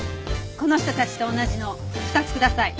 この人たちと同じの２つください。